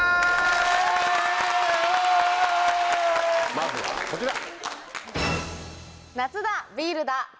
まずはこちら！